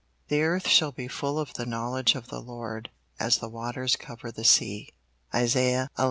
"The earth shall be full of the knowledge of the Lord, as the waters cover the sea." Isaiah xi.